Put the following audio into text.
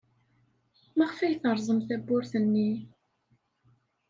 Maɣef ay terẓem tawwurt-nni?